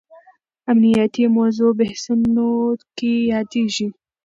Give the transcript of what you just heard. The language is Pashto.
امنیتي موضوع بحثونو کې یادېږي.